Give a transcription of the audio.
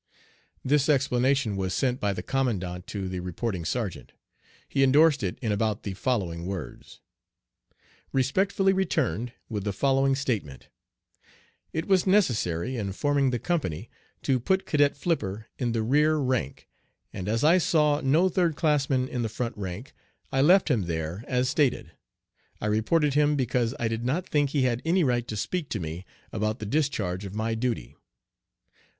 This explanation was sent by the commandant to the reporting sergeant. He indorsed it in about the following words: Respectfully returned with the following statement: It was necessary in forming the company to put Cadet Flipper in the rear rank, and as I saw no third classman in the front rank, I left him there as stated. I reported him because I did not think he had any right to speak to me about the discharge of my duty.